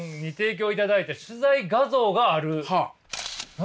何？